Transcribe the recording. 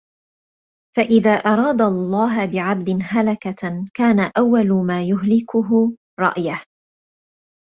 فَإِذَا أَرَادَ اللَّهُ بِعَبْدٍ هَلَكَةً كَانَ أَوَّلُ مَا يُهْلِكُهُ رَأْيَهُ